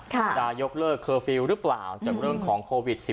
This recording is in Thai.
จะยกเลิกเคอร์ฟิลล์หรือเปล่าจากเรื่องของโควิด๑๙